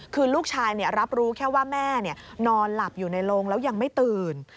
คือลูกชายรับรู้แค่ว่าแม่นอนหลับอยู่ในโรงแล้วยังไม่ตื่น